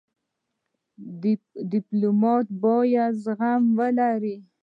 ډيپلومات باید زغم ولري.